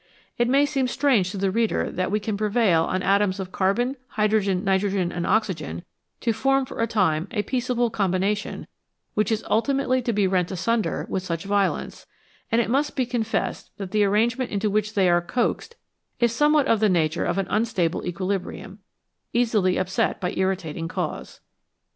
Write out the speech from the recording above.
It may seem strange to the reader that we can prevail on atoms of carbon, hydrogen, nitrogen, and oxygen to form for a time a peaceable combination which is ultimately to be rent asunder with such violence, and it must be confessed that the arrangement into which they are coaxed is some what of the nature of an unstable equilibrium, easily upset by any irritating cause.